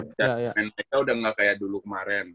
pencapaian mereka udah gak kayak dulu kemaren